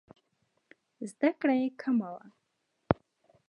زده کړې یې کمه وه.